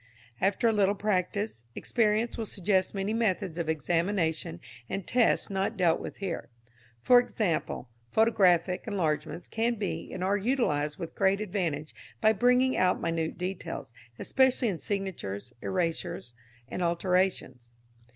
After a little practice, experience will suggest many methods of examination and test not dealt with here. For example, photographic enlargements can be and are utilised with great advantage by bringing out minute details, especially in signatures, erasures and alterations.